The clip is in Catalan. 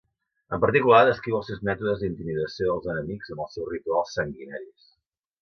En particular, descriu els seus mètodes d'intimidació dels enemics amb els seus rituals sanguinaris.